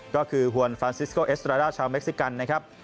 ก็คือฮวนฟานซิสโกเอสตราด้าชาวเม็กซิกันนะครับ